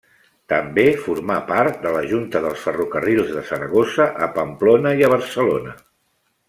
També formà part de la junta dels Ferrocarrils de Saragossa a Pamplona i a Barcelona.